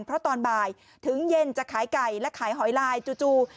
เพราะตอนบ่ายถึงเย็นจะขายไก่และขายหอยลายจู่